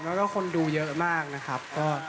เล่นที่สยามก็คนดูเยอะมากนะครับ